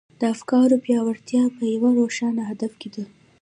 د افکارو پياوړتيا په يوه روښانه هدف کې ده.